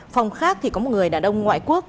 phòng khác thì có một người đàn ông ngoại quốc